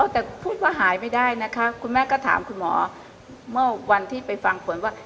แต่พูดว่าหายไม่ได้นะคะคุณแม่ก็ถามคุณหมอเมื่อวันที่ไปฟังผลว่า